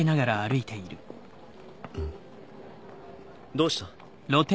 どうした？